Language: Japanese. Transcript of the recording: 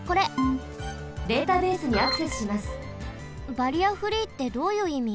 バリアフリーってどういういみ？